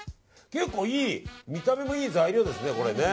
結構見た目のいい材料ですよね。